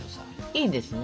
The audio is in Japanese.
いいですね。